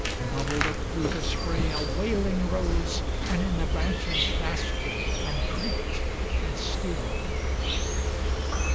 Bubbled up through the spray A wailing rose and in the branches rasped, And creaked, and stilled.